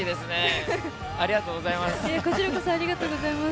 ありがとうございます。